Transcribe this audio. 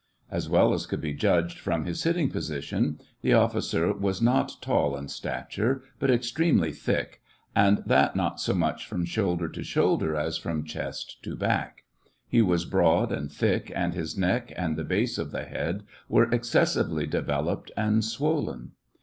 As well as could be judged from his sitting po sition, the officer was not tall in stature, but ex tremely thick, and that not so much from shoulder to shoulder as from chest to back ; he was broad and thick, and his neck and the base of the head were excessively developed and swollen.